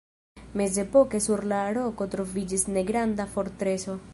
Mezepoke sur la roko troviĝis negranda fortreso.